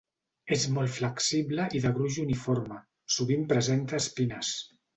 És molt flexible i de gruix uniforme, sovint presenta espines.